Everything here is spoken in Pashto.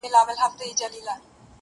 • د غوایانو په ښکرونو یې وهلي ,